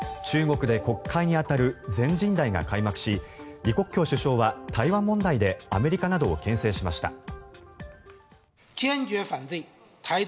中国で国会に当たる全人代が開幕し李克強首相は台湾問題でアメリカなどをけん制しました。